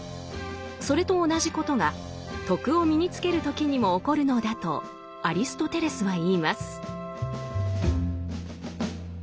それと同じことが「徳」を身につける時にも起こるのだとアリストテレスは言います。